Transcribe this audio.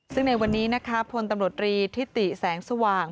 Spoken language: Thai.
ซึ่งในวันนี้นะคะพลตำรวจรีทิติแสงสว่าง